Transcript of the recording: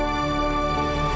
aku nggak peduli